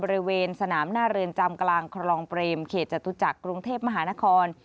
บริเวณสนามหน้าเรือนจำกลางคลองเปรมเขตจตุจักรกรุงเทพมหานคร